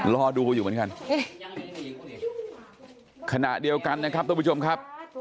รอดูอยู่เหมือนกันขณะเดียวกันนะครับทุกผู้ชมครับ